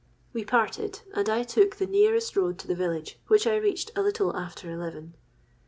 We parted, and I took the nearest road to the village, which I reached a little after eleven.